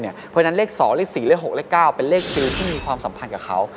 เพราะฉะนั้นเลข๒เลข๔เลข๖เลข๙เป็นเลขคิวที่มีความสัมพันธ์กับเขา